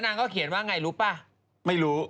อยากได้แคลร์แผลทำนม